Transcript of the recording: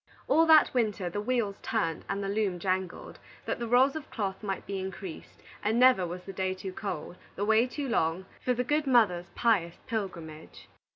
All that winter the wheels turned and the loom jangled, that the rolls of cloth might be increased; and never was the day too cold, the way too long, for the good mother's pious pilgrimage.